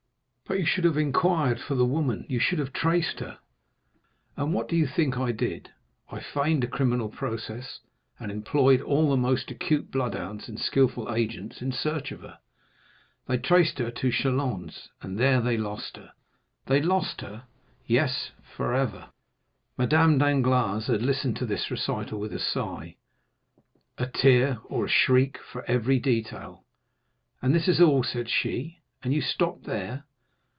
"But you should have inquired for the woman; you should have traced her." "And what do you think I did? I feigned a criminal process, and employed all the most acute bloodhounds and skilful agents in search of her. They traced her to Châlons, and there they lost her." "They lost her?" "Yes, forever." Madame Danglars had listened to this recital with a sigh, a tear, or a shriek for every detail. "And this is all?" said she; "and you stopped there?"